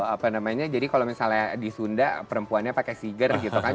apa namanya jadi kalau misalnya di sunda perempuannya pakai siger gitu kan